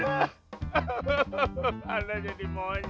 aduh ya allah kenapa jadi begitu